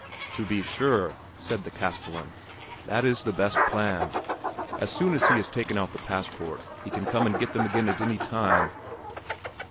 "To be sure," said the castellan; "that is the best plan; as soon as he has taken out the passport he can come and get them again at any time."